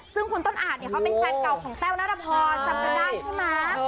ซึ่งคุณต้นอาจเนี่ยเขาเป็นแฟนเก่าของแต้วนัทพรจำกันได้ใช่ไหม